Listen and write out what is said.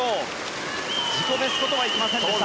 自己ベストとはいきませんでした。